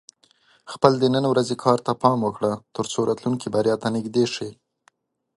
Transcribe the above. خپل د نن ورځې کار ته پام وکړه، ترڅو راتلونکې بریا ته نږدې شې.